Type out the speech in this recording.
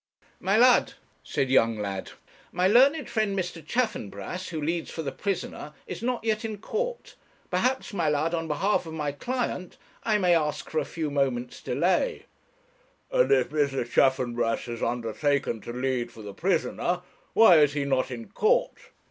'My lud,' said Younglad, 'my learned friend, Mr. Chaffanbrass, who leads for the prisoner, is not yet in court. Perhaps, my lud, on behalf of my client, I may ask for a few moments' delay.' 'And if Mr. Chaffanbrass has undertaken to lead for the prisoner, why is he not in court?'